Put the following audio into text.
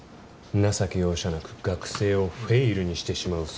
情け容赦なく学生をフェイルにしてしまうそうだ。